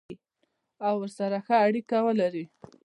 او ورسره ښه اړیکه ولري.